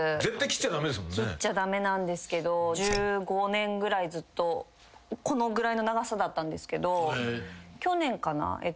切っちゃ駄目なんですけど１５年ぐらいずっとこのぐらいの長さだったんですけど去年かな？